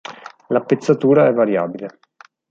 La pezzatura è variabile.